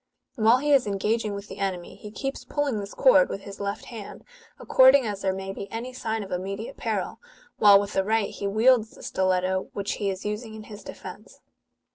While he is engaging with the enemy, he keeps pulling this cord with his left hand, according as there may be any sign of immediate peril, while with the right he wields the stiletto, which he is using in his defence.